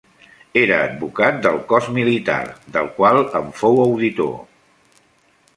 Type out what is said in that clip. Era advocat del cos militar, del qual en fou auditor.